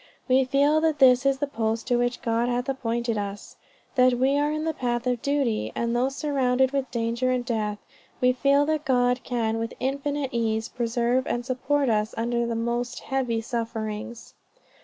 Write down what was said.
We feel that this is the post to which God hath appointed us; that we are in the path of duty; and though surrounded with danger and death, we feel that God can with infinite ease, preserve and support us under the most heavy sufferings.